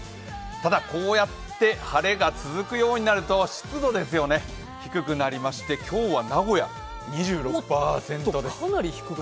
ただ、こうやって晴れが続くようになると湿度ですよね、低くなりまして、今日は名古屋２６％です。